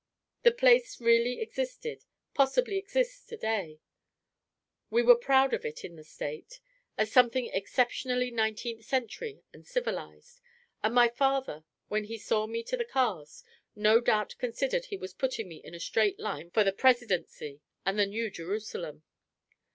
The place really existed, possibly exists to day: we were proud of it in the State, as something exceptionally nineteenth century and civilized; and my father, when he saw me to the cars, no doubt considered he was putting me in a straight line for the Presidency and the New Jerusalem.